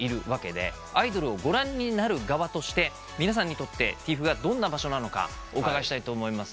アイドルをご覧になる側として皆さんにとってＴＩＦがどんな場所なのかお伺いしたいと思います。